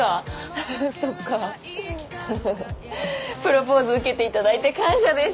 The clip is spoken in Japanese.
ふふふっそっかふふふっプロポーズ受けていただいて感謝です